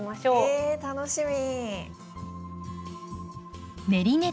え楽しみ！